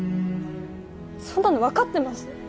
そんなの分かってます